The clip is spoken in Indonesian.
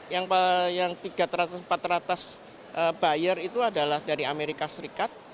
yang tiga ratus empat teratas buyer itu adalah dari amerika serikat